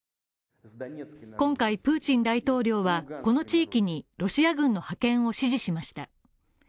今回、プーチン大統領はこの地域にロシア軍の派遣を指示しました。